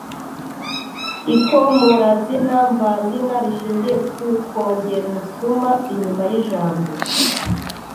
Ikomorazina mvazina rishingiye ku kongera umusuma inyuma y’ijambo